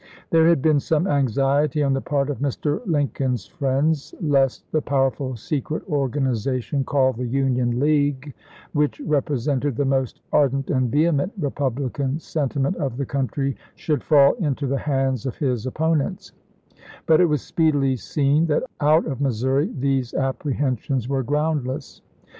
There had been some anxiety on the part of Mr. Lincoln's friends lest the powerful secret organization called the Union League, which repre sented the most ardent and vehement Eepublican sentiment of the country, should fall into the hands of his opponents ; but it was speedily seen that out of Missouri these apprehensions were groundless.